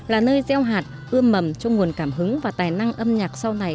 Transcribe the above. là nơi gieo hạt ưa mầm cho nguồn cảm hứng và tài năng âm nhạc sau này